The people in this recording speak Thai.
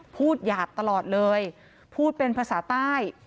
หยาบตลอดเลยพูดเป็นภาษาใต้